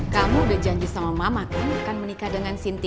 kamu udah janji sama mama kamu akan menikah dengan sintia